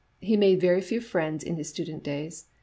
He made very few friends in his student days.